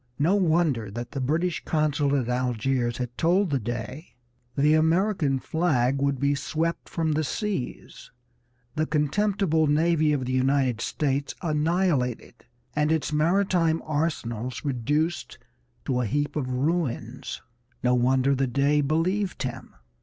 No wonder that the British consul at Algiers had told the Dey "the American flag would be swept from the seas, the contemptible navy of the United States annihilated, and its maritime arsenals reduced to a heap of ruins." No wonder the Dey believed him.